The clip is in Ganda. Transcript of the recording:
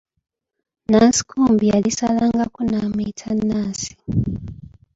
Nansikombi yalisalangako n'amuyita Nansi.